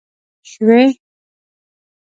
شوې